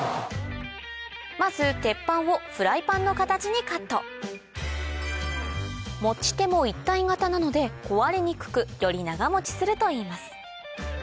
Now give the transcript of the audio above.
まず鉄板をフライパンの形にカット持ち手も一体型なので壊れにくくより長持ちするといいます